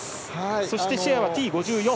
そしてシェアはＴ５４。